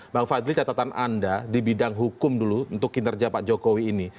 bang fadli catatan anda di bidang hukum dulu untuk kinerja pak jokowi ini